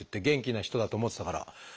元気な人だと思ってたから。